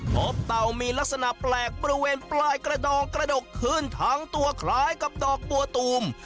เต่ามีลักษณะแปลกบริเวณปลายกระดองกระดกขึ้นทั้งตัวคล้ายกับดอกบัวตูม